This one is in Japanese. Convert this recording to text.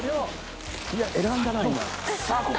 いや選んだな今。